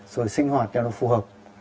rồi sinh hoạt cho nó phù hợp